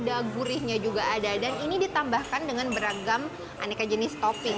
ada gurihnya juga ada dan ini ditambahkan dengan beragam aneka jenis topping